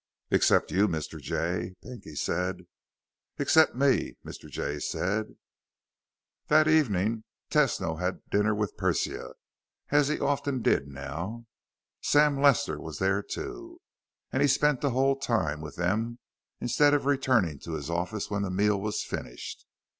"Except you, Mr. Jay," Pinky said. "Except me," Mr. Jay said. That evening Tesno had dinner with Persia, as he often did now. Sam Lester was there, too, and he spent the whole time with them instead of returning to his office when the meal was finished.